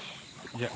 じゃあ。